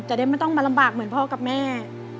จะได้ไม่ต้องมาลำบากเหมือนพ่อกับแม่